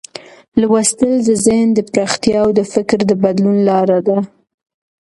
لوستل د ذهن د پراختیا او د فکر د بدلون لار ده.